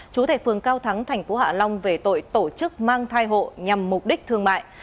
chú thệ phường cao thắng thành phố hạ long về tội tổ chức mang thai hộ nhằm mục đích thương mại